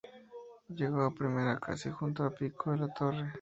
Llegó a primera casi junto a Pico y Latorre.